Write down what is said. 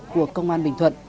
của công an bình thuận